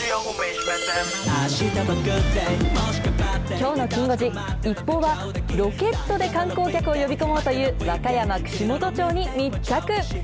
きょうのきん５時、ＩＰＰＯＵは、ロケットで観光客を呼び込もうという、和歌山・串本町に密着。